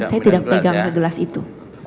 saya tidak pegang gelas itu